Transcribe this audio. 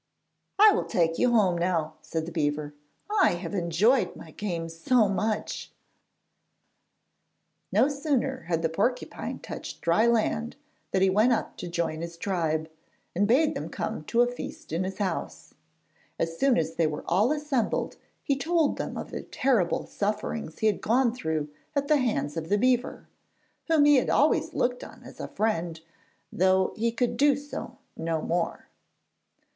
'I will take you home now,' said the beaver; 'I have enjoyed my game so much.' No sooner had the porcupine touched dry land than he went up to join his tribe, and bade them come to a feast in his house. As soon as they were all assembled he told them of the terrible sufferings he had gone through at the hands of the beaver, whom he had always looked on as a friend, though he could do so no more.